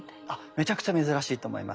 めちゃくちゃ珍しいと思います。